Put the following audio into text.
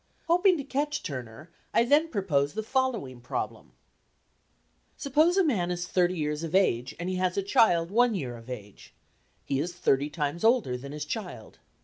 Hoping to catch Turner I then proposed the following problem: "Suppose a man is thirty years of age and he has a child one year of age; he is thirty times older than his child.